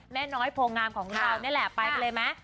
แนะน้อยโพงงามของเรานี่แหละไปเลยมา